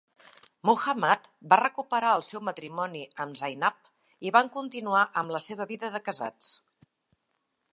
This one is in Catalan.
Muhammad va recuperar el seu matrimoni amb Zainab i van continuar amb la seva vida de casats.